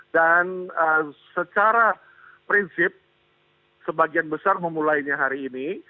dan secara prinsip sebagian besar memulainya hari ini